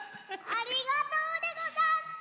ありがとうでござんちゅ！